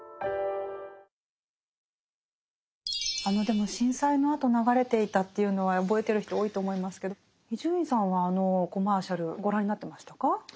あのでも震災のあと流れていたというのは覚えてる人多いと思いますけど伊集院さんはあのコマーシャルご覧になってましたか？